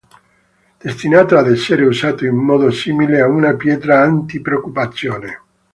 Destinato ad essere usato in modo simile a una pietra anti-preoccupazione.